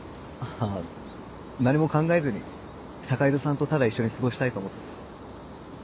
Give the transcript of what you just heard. あぁ何も考えずに坂井戸さんとただ一緒に過ごしたいと思ってさ。